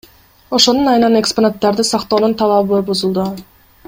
Ошонун айынан экспонаттарды сактоонун талабыбузулду.